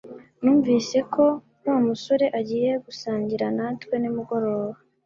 Numvise ko Wa musore agiye gusangira natwe nimugoroba